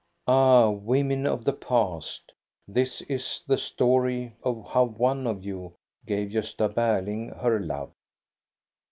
Ah, women of the past, this is the story of how one of you gave Gosta Berling her love.